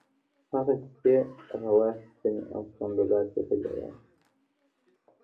هغې سیکې را واخیستې او سملاسي په ژړا شوه